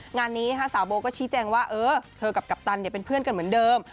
งานนี้สาวโบก็ชี้แจงว่าเออเธอกับกัปตันเป็นเพื่อนกันเหมือนเดิม